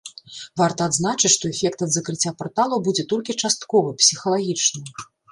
Варта адзначыць, што эфект ад закрыцця парталаў будзе толькі частковы, псіхалагічны.